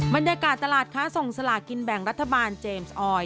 บรรยากาศตลาดค้าส่งสลากินแบ่งรัฐบาลเจมส์ออย